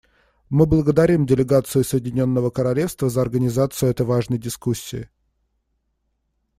Мы благодарим делегацию Соединенного Королевства за организацию этой важной дискуссии.